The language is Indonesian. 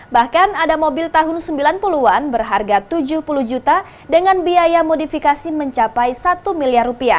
bahkan ada mobil tahun sembilan puluh an berharga rp tujuh puluh juta dengan biaya modifikasi mencapai rp satu miliar